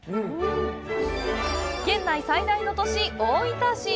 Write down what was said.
県内最大の都市、大分市。